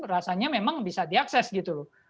rasanya memang bisa diakses gitu loh